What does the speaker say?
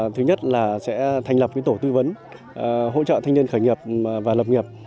thứ nhất là sẽ thành lập tổ tư vấn hỗ trợ thanh niên khởi nghiệp và lập nghiệp